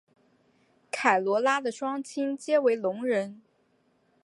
凯萝拉的双亲皆为聋人。